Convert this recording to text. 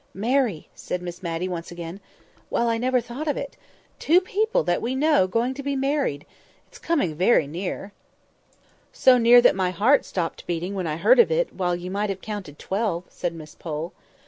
"Marry!" said Miss Matty once again. "Well! I never thought of it. Two people that we know going to be married. It's coming very near!" "So near that my heart stopped beating when I heard of it, while you might have counted twelve," said Miss Pole.